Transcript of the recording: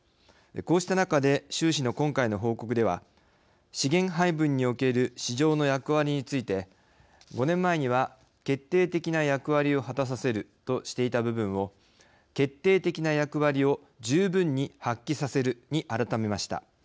こうした中で習氏の今回の報告では資源配分における市場の役割について５年前には決定的な役割を果たさせるとしていた部分を決定的な役割を十分に発揮させるに改めました。